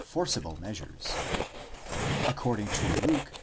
forcible measures). According to Luke (v.